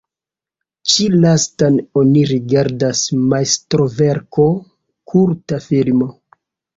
Ĉi lastan oni rigardas majstroverko, kulta filmo.